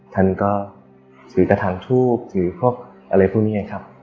ท่านก็ถือกระถางทูบถือพวกอะไรพวกนี้ไงครับ